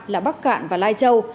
là bắc cạn và lai châu